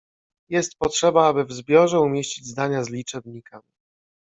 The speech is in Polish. Jest potrzeba aby w zbiorze umieścić zdania z liczebnikami